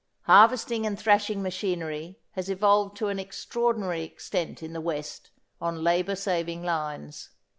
Harvesting and thrashing machinery has evolved to an extraordinary extent in the West on labour saving lines.